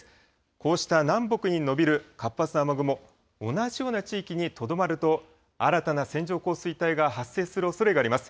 こうした南北に延びる活発な雨雲、同じような地域にとどまると、新たな線状降水帯が発生するおそれがあります。